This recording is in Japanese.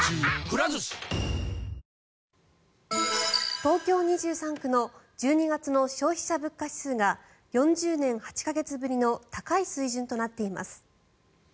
東京２３区の１２月の消費者物価指数が４０年８か月ぶりの高い水準となっています。